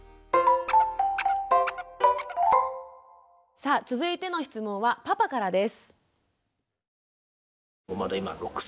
さあ続いての質問はパパからです。